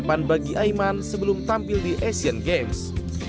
persiapan bagi aiman sebelum tampil di asian games